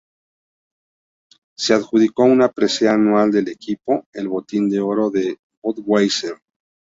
Se adjudicó una presea anual del equipo: el Botín de Oro de Budweiser.